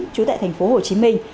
chú tại thành phố hồ chí minh